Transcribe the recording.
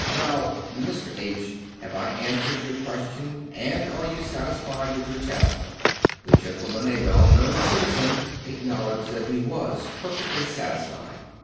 Now, Mr. H , have I answered your question, and are you satisfied with your test?" The gentleman, a well known citizen, acknowl edged that he was perfectly satisfied.